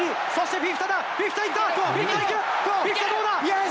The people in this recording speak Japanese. フィフィタ、どうだ？